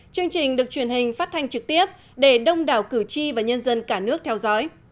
chương trình được truyền hình phát thanh trực tiếp để đông đảo cử tri và nhân dân cả nước theo dõi